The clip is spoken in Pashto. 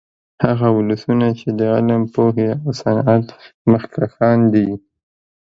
هغه ولسونه چې د علم، پوهې او صنعت مخکښان دي